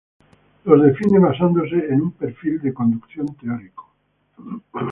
Los define basándose en un perfil de conducción teórico.